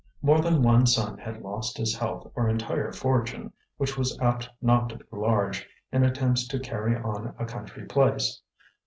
More than one son had lost his health or entire fortune, which was apt not to be large, in attempts to carry on a country place.